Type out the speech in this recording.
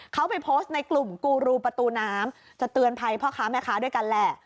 เขาไปโพสต์ในกลุ่มกูรูประตูน้ำจะเตือนภัยพ่อค้าแม่ค้าด้วยกันแหละ